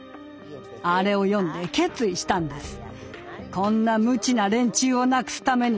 あれを読んで決意したんです。